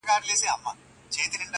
زه سلطان یم د هوا تر آسمانونو!